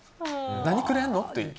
何くれんの？って。